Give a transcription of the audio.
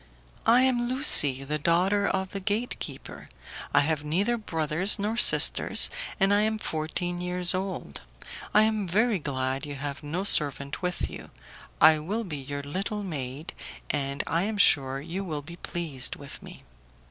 "I am Lucie, the daughter of the gate keeper: I have neither brothers nor sisters, and I am fourteen years old. I am very glad you have no servant with you; I will be your little maid, and I am sure you will be pleased with me."